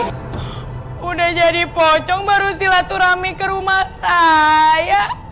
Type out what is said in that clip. sudah jadi pocong baru silaturahmi ke rumah saya